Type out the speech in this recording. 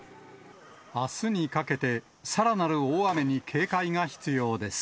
あすにかけて、さらなる大雨に警戒が必要です。